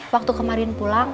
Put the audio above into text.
waktu kemarin pulang